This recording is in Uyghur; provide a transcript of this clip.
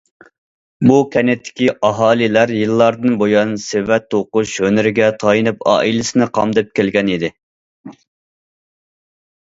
بۇ كەنتتىكى ئاھالىلەر يىللاردىن بۇيان، سېۋەت توقۇش ھۈنىرىگە تايىنىپ ئائىلىسىنى قامداپ كەلگەنىدى.